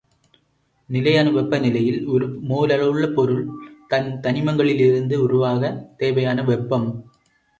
நிலையான வெப்பநிலையில் ஒரு மோல் அளவுள்ள பொருள் தன் தனிமங்களிலிருந்து உருவாகத் தேவையான வெப்பம்.